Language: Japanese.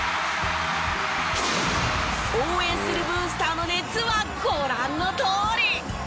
応援するブースターの熱はご覧のとおり！